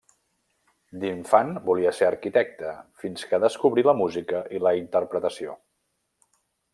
D'infant volia ser arquitecte, fins que descobrí la música i la interpretació.